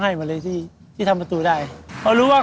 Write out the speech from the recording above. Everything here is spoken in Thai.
ความรู้สึก